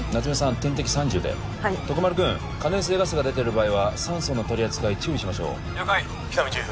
点滴３０ではい徳丸君可燃性ガスが出てる場合は酸素の取り扱い注意しましょう了解喜多見チーフ